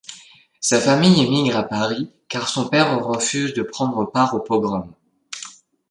Sa famille émigre à Paris car son père refuse de prendre part aux pogroms.